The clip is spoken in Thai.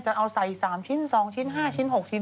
จะเอาใส่สามชิ้นสองชิ้นห้าชิ้นหกชิ้น